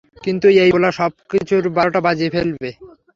কিন্ত এই পোলা সবকিছুর বারোটা বাজিয়ে ফেলবে।